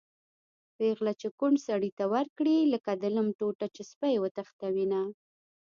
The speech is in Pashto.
پېغله چې کونډ سړي ته ورکړي-لکه د لم ټوټه چې سپی وتښتوېنه